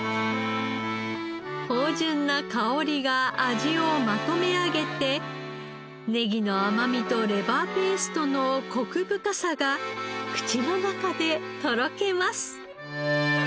芳醇な香りが味をまとめ上げてネギの甘みとレバーペーストのコク深さが口の中でとろけます。